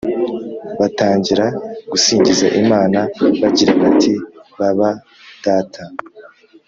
batangira gusingiza Imana bagira bati baba data